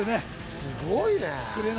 すごいね。